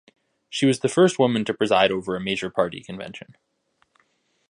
She was the first woman to preside over a major party convention.